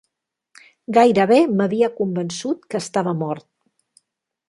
Gairebé m'havia convençut que estava mort.